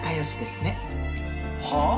はあ？